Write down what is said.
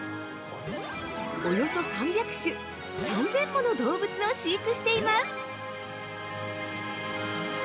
およそ３００種３０００もの動物を飼育しています。